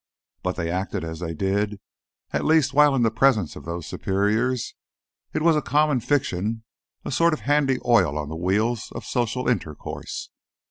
But they acted as if they did, at least while in the presence of those superiors. It was a common fiction, a sort of handy oil on the wheels of social intercourse.